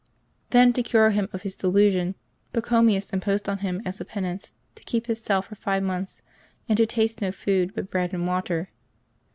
^' Then, to cure him of his delusion, Pachomius imposed on him as a penance to keep liis cell for five months and to taste no food but bread and water.